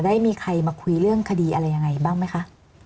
ได้มีใครมาคุยเรื่องคดีอะไรยังไงบ้างไหมคะ